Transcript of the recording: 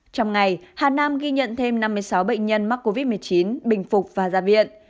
trong ngày hà nam ghi nhận thêm năm mươi sáu bệnh nhân mắc covid một mươi chín bình phục và ra viện